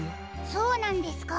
そうなんですか。